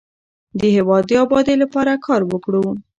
د هیواد د ابادۍ لپاره کار وکړو.